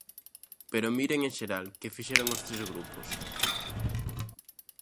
Pero, miren, en xeral, ¿que fixeron os tres grupos?